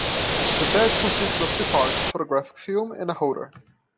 The badge consists of two parts: photographic film, and a holder.